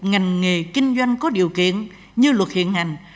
ngành nghề kinh doanh có điều kiện như luật hiện hành